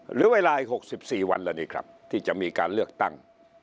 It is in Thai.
เหลือเวลาอีก๖๔วันแล้วนี่ครับที่จะมีการเลือกตั้ง